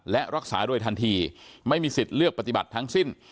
และรักษาโดยทันทีไม่มีสิทธิ์เลือกปฏิบัติทั้งสิ้น